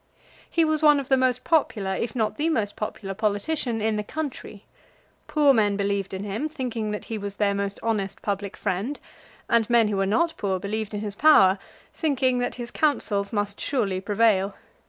He was one of the most popular, if not the most popular politician in the country. Poor men believed in him, thinking that he was their most honest public friend; and men who were not poor believed in his power, thinking that his counsels must surely prevail.